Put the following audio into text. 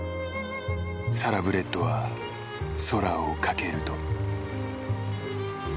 サラブレッドは空を翔ると。